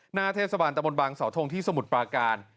หน้าเทศบาลตะบนบางเสาทงที่สมุทรปาการ